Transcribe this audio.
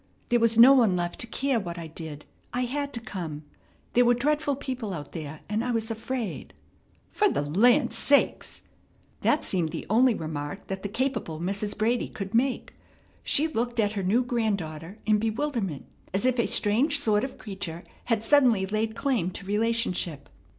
There was no one left to care what I did. I had to come. There were dreadful people out there, and I was afraid." "Fer the land sakes!" That seemed the only remark that the capable Mrs. Brady could make. She looked at her new granddaughter in bewilderment, as if a strange sort of creature had suddenly laid claim to relationship.